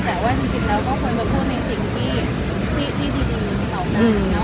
แต่ว่าจริงแล้วก็ควรจะพูดในสิ่งที่ที่ดีที่ตอบได้เนอะ